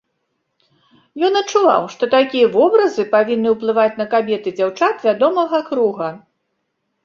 Ён адчуваў, што такія вобразы павінны ўплываць на кабет і дзяўчат вядомага круга.